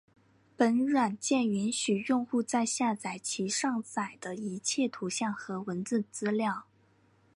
本软件允许用户在下载其上载的一切图像和文字资料。